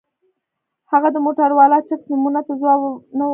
هغه د موټورولا چپس نومونو ته ځواب نه ورکوي